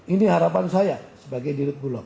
ini harapan saya sebagai dirut bulog